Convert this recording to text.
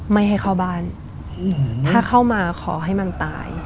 ไม่ให้เข้าบ้านถ้าเข้ามาขอให้มันตาย